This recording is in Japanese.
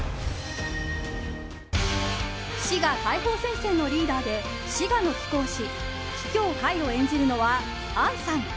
滋賀解放戦線のリーダーで滋賀の貴公子桔梗魁を演じるのは杏さん。